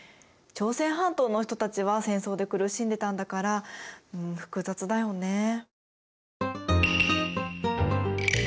朝鮮半島の人たちは戦争で苦しんでたんだからうん複雑だよね。